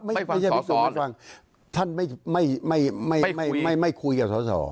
ไม่ใช่บิ๊กตูไม่ฟังท่านไม่คุยกับสอสอ